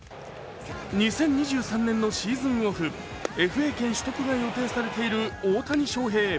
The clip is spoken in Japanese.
２０２３年のシーズンオフＦＡ権取得が予定されている大谷翔平。